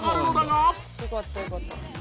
「よかったよかった」